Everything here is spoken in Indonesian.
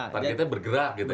targetnya bergerak gitu ya